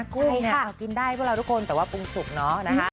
กุ้งเนี่ยกินได้พวกเราทุกคนแต่ว่าปรุงสุกเนอะนะคะ